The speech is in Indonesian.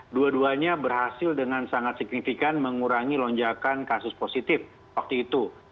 dua duanya berhasil dengan sangat signifikan mengurangi lonjakan kasus positif waktu itu